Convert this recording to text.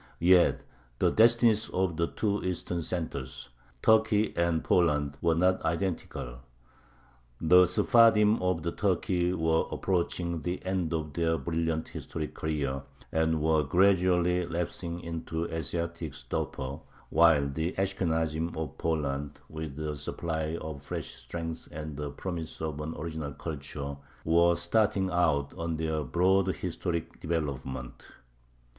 Yet the destinies of the two Eastern centers Turkey and Poland were not identical. The Sephardim of Turkey were approaching the end of their brilliant historic career, and were gradually lapsing into Asiatic stupor, while the Ashkenazim of Poland, with a supply of fresh strength and the promise of an original culture, were starting out on their broad historic development.